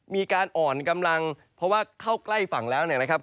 มีการอ่อนกำลังเพราะว่าเข้าใกล้ฝั่งแล้วเนี่ยนะครับ